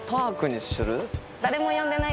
誰も呼んでない？